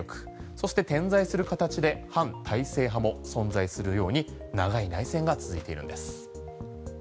そして、点在する形で反体制派も存在するように長い内戦が続いているんです。